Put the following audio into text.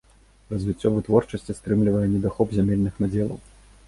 Развіццё вытворчасці стрымлівае недахоп зямельных надзелаў.